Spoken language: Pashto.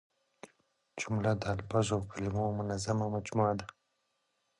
جمله د الفاظو او کلیمو منظمه مجموعه ده.